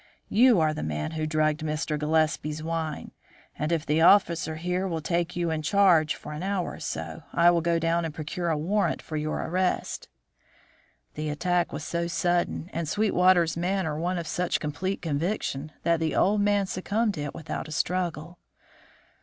You are the man who drugged Mr. Gillespie's wine; and if the officer here will take you in charge for an hour or so, I will go down and procure a warrant for your arrest." The attack was so sudden, and Sweetwater's manner one of such complete conviction, that the old man succumbed to it without a struggle.